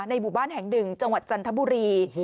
ในบุบ้านแห่งดึงจังหวัดจันทบุรี